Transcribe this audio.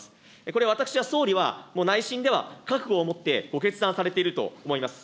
これ、私は総理は、もう内心では、覚悟を持ってご決断されていると思います。